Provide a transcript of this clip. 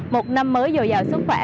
một năm mới dồi dào sức khỏe